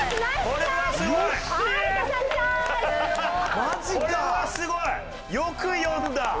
これはすごい。よく読んだ。